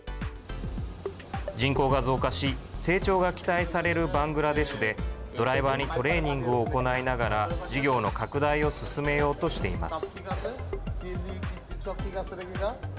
人口が増加し成長が期待されるバングラデシュでドライバーにトレーニングを行いながら事業の拡大を進めようとしています。